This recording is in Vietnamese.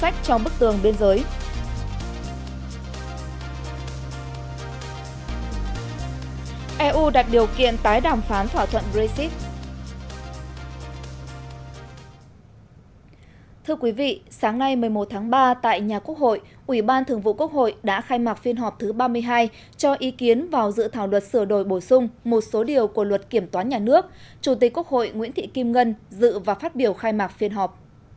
chủ tịch quốc hội nguyễn thị kim ngân dự và phát biểu khai mạc phiên họp